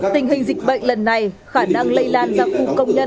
tình hình dịch bệnh lần này khả năng lây lan ra khu công nhân